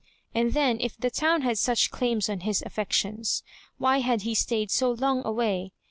And then, if the town had such daims on his affections, why had he stayed so long away?